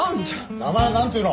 名前は何て言うの？